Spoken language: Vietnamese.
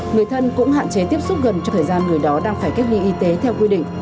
người thân cũng hạn chế tiếp xúc gần cho thời gian người đó đang phải cách ly y tế theo quy định